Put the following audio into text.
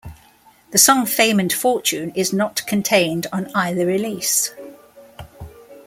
The song "Fame and Fortune" is not contained on either release.